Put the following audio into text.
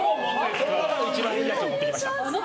その中から一番いいやつを持ってきました。